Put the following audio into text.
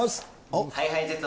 ＨｉＨｉＪｅｔｓ